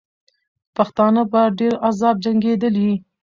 پښتانه په ډېر عذاب جنګېدلې.